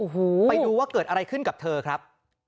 โอ้โหไปดูว่าเกิดอะไรขึ้นกับเธอครับ